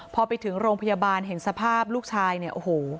พอไปถึงโรงพยาบาลเห็นสภาพลูกชายเนี่ยโอ้โห